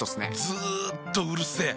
ずっとうるせえ。